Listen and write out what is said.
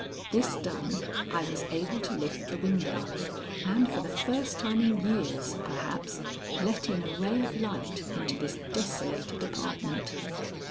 This done, I was able to lift the window, and for the first time in years, perhaps, let in a ray of light into this desolated apartment.